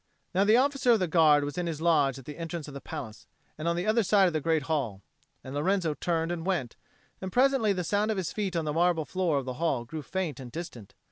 Now the officer of the Guard was in his lodge at the entrance of the palace, on the other side of the great hall; and Lorenzo turned and went, and presently the sound of his feet on the marble floor of the hall grew faint and distant.